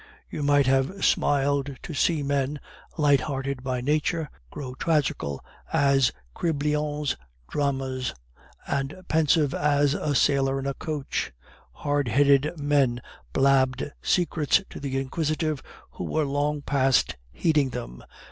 You might have smiled to see men, light hearted by nature, grow tragical as Crebillon's dramas, and pensive as a sailor in a coach. Hard headed men blabbed secrets to the inquisitive, who were long past heeding them.